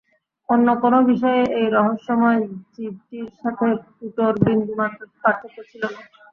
অন্য কোনো বিষয়েই এই রহস্যময় জীবটির সাথে পুটোর বিন্দুমাত্র পার্থক্য ছিল না।